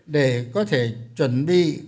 để có thể chuẩn bị